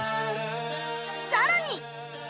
さらに！